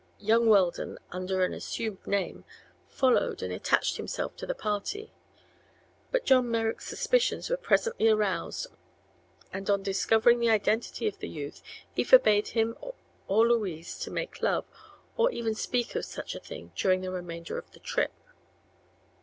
Young Weldon, under an assumed name, followed and attached himself to the party; but John Merrick's suspicions were presently aroused and on discovering the identity of the youth he forbade him or Louise to "make love" or even speak of such a thing during the remainder of the trip.